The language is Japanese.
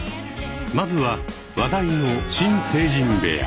まずは話題の新成人部屋。